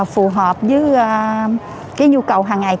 phù hợp với nhu cầu hàng hàng